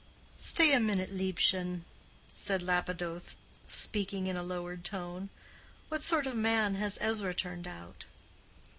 "Stay a minute, Liebchen," said Lapidoth, speaking in a lowered tone; "what sort of man has Ezra turned out?"